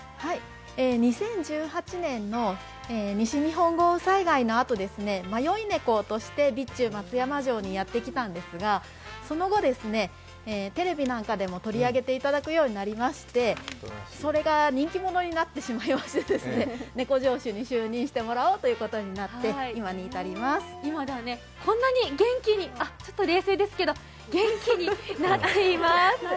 ２０１８年の西日本豪雨災害のあと、迷い猫として備中松山城にやって来たんですがその後、テレビなんかでも取り上げていただくようになりましてそれが人気者になってしまいまして、猫城主に就任してもらおうということになって今ではこんなに今冷静ですけど元気になっています。